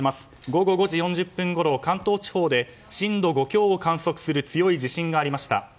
午後５時４０分ごろ、関東地方で震度５強を観測する強い地震がありました。